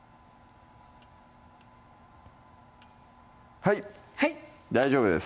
はい大丈夫です